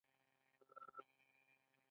د ویرې د مینځلو لپاره د ډاډ او اوبو ګډول وکاروئ